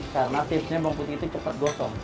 karena tipsnya bawang putih itu cepet gotong